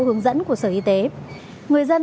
hướng dẫn của sở y tế người dân